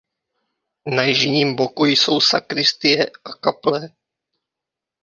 Na jižním boku jsou sakristie a kaple.